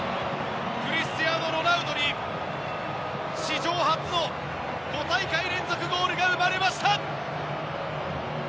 クリスティアーノ・ロナウドに史上初の５大会連続ゴールが生まれました。